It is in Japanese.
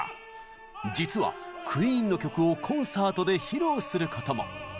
実はクイーンの曲をコンサートで披露することも。